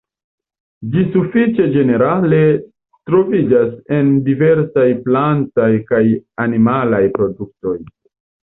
Ĝi sufiĉe ĝenerale troviĝas en diversaj plantaj kaj animalaj produktoj.